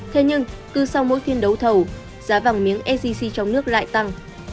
thế nhưng cứ sau mỗi phiên đấu thầu giá vàng miếng sgc trong nước lại tăng